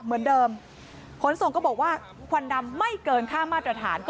เหมือนเดิมขนส่งก็บอกว่าควันดำไม่เกินค่ามาตรฐานก็